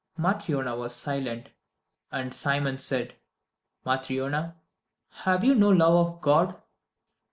Matryona was silent: and Simon said: "Matryona, have you no love of God?"